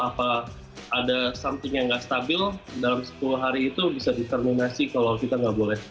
apa ada something yang nggak stabil dalam sepuluh hari itu bisa diterminasi kalau kita nggak boleh